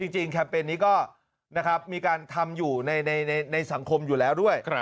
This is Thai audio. จริงแคมเปญนี่ก็นะครับมีการทำอยู่ในสังคมอยู่แล้วด้วย